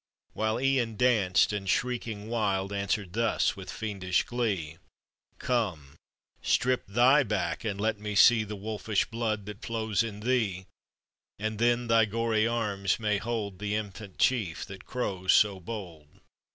While Ian danced and shrieking wild Answered thus with fiendish glue, " Come, strip thy back, and let me Me The wolfish blood that flows in thee, And then thy gory arms may hold The infant chief that crows so bold."